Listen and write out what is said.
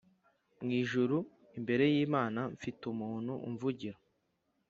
Mu ijuru imbere y’Imana mfite umuntu umvugira